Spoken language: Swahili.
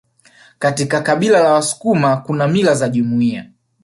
Kaika kabila la wasukuma Kuna mila za jumuiya